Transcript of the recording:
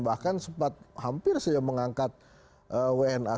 bahkan sempat hampir saja mengangkat wna